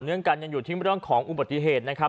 เรื่องกันยังอยู่ที่เรื่องของอุบัติเหตุนะครับ